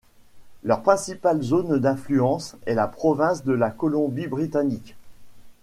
Leur principale zone d'influence est la province de la Colombie-Britannique.